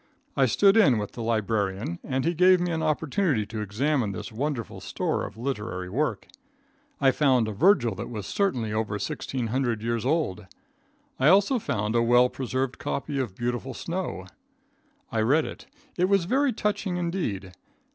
I stood in with the librarian and he gave me an opportunity to examine this wonderful store of literary work. I found a Virgil that was certainly over 1,600 years old. I also found a well preserved copy of "Beautiful Snow." I read it. It was very touching indeed.